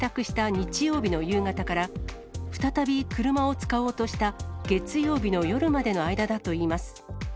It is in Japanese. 日曜日の夕方から、再び車を使おうとした月曜日の夜までの間だといいます。